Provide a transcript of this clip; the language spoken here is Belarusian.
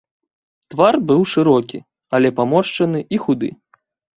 Твар быў шырокі, але паморшчаны і худы.